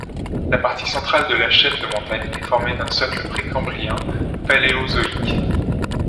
La partie centrale de la chaîne de montagnes est formée d'un socle précambrien-paléozoïque.